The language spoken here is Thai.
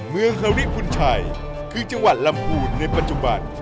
ฮอริพุนชัยคือจังหวัดลำพูนในปัจจุบัน